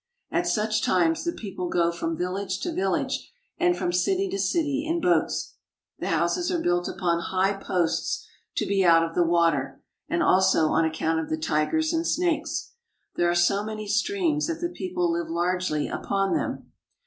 At such times the people go from village to village and from city to city in boats. The houses are built upon high posts to be out of the water, and also on account of the tigers and snakes. There are so many streams that the people live largely upon them.